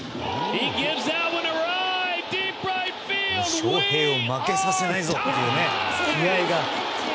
翔平を負けさせないぞという気合が。